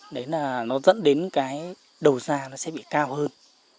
đấy là nó dẫn đến cái đầu ra nó sẽ bị cao hơn